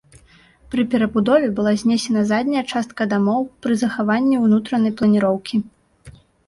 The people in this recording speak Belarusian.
Пры перабудове была знесена задняя частка дамоў пры захаванні ўнутранай планіроўкі.